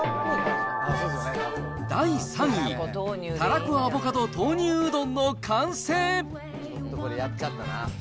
第３位、たらこアボカド豆乳うどんの完成。